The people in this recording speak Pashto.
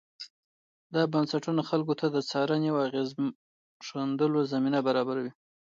دا بنسټونه خلکو ته د څارنې او اغېز ښندلو زمینه برابروي.